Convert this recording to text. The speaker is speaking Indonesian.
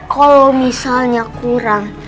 kalau misalnya kurang